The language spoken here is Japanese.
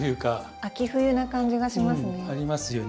秋冬な感じがしますね。